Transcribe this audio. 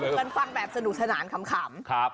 เล่าถึงกันฟังแบบสนุกชะนานขำ